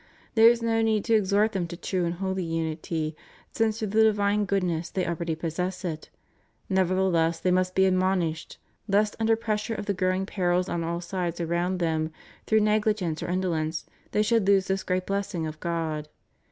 There is no need to exhort them to true and holy unity, since through the divine goodness they already possess it; nevertheless, they must be admonished, lest under pres sure of the growing perils on all sides around them, through negUgence or indolence they should lose this great blessing of God.